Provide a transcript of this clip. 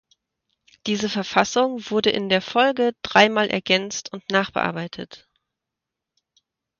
Diese Verfassung wurde in der Folge dreimal ergänzt und nachbearbeitet.